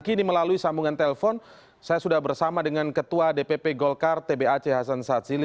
kini melalui sambungan telpon saya sudah bersama dengan ketua dpp golkar t b aceh hasan satsili